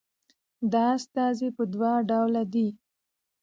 دا استازي په دوه ډوله ده